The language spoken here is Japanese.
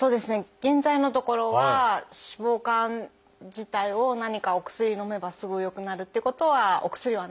現在のところは脂肪肝自体を何かお薬のめばすぐ良くなるってことはお薬はなくて。